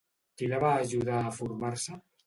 Qui la va ajudar a formar-se?